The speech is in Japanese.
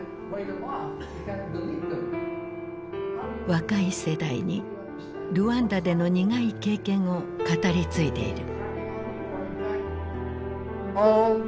若い世代にルワンダでの苦い経験を語り継いでいる。